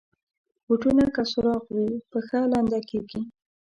بوټونه که سوراخ وي، پښه لنده کېږي.